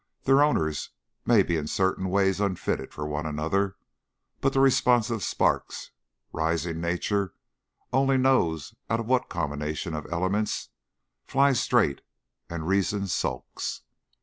Their owners may be in certain ways unfitted for one another, but the responsive sparks, rising Nature only knows out of what combination of elements, fly straight, and Reason sulks.